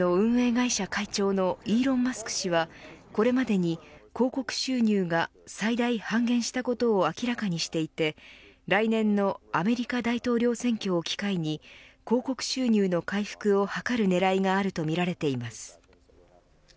会社会長のイーロン・マスク氏はこれまでに、広告収入が最大半減したことを明らかにしていて来年のアメリカ大統領選挙を機会に広告収入の回復を図る狙いがあるとみられています。